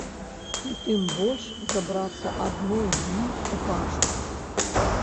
І тым больш забрацца адной з іх у пашчу.